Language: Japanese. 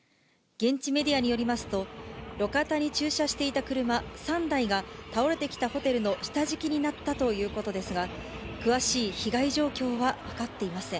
現地メディアによりますと、路肩に駐車していた車３台が倒れてきたホテルの下敷きになったということですが、詳しい被害状況は分かっていません。